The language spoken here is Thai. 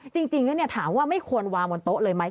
จริงแล้วถามว่าไม่ควรวางบนโต๊ะเลยไหม